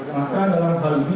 maka dalam hal ini